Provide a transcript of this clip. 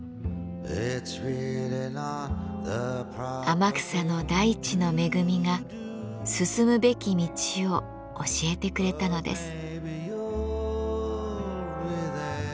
天草の大地の恵みが進むべき道を教えてくれたのです。